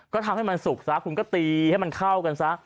ก็ทำให้มันสุกซะคุณก็ตีให้มันเข้ากันซะ